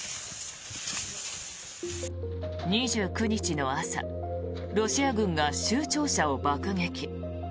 ２９日の朝ロシア軍が州庁舎を爆撃。